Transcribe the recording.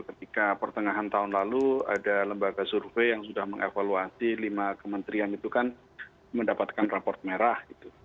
ketika pertengahan tahun lalu ada lembaga survei yang sudah mengevaluasi lima kementerian itu kan mendapatkan raport merah gitu